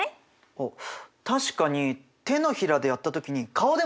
あっ確かに手のひらでやった時に顔でもやったね。